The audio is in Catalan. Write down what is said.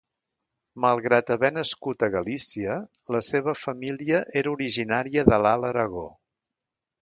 Malgrat haver nascut a Galícia, la seva família era originària de l'Alt Aragó.